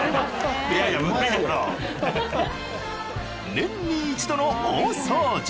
年に一度の大掃除。